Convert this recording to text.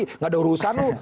tidak ada urusan tuh